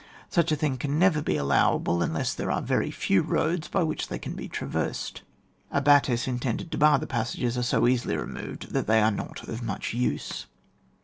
Such a thing can never be allowable unless there are very few roads by which they can be traversed. Abattis intended to bar the passages are so easily removed that they are not of much use.